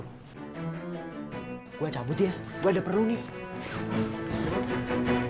gua cabut ya gua ada perlu nih